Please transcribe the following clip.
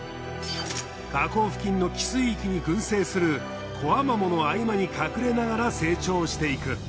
河口付近の汽水域に群生するコアマモの合間に隠れながら成長していく。